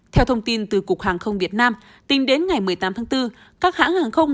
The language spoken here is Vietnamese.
theo thông tin từ cục hàng không việt nam tính đến ngày một mươi tám tháng bốn các hãng hàng không